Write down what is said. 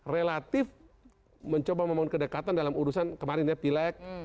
relatif mencoba membangun kedekatan dalam urusan kemarin ya pileg